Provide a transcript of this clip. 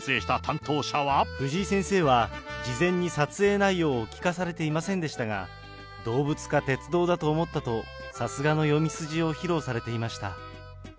藤井先生は、事前に撮影内容を聞かされていませんでしたが、動物か鉄道だと思ったと、さすがの読み筋を披露されていました。